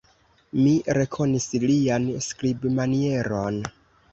Mi rekonis lian skribmanieron.